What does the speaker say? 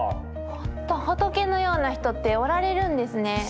ほんと仏のような人っておられるんですね。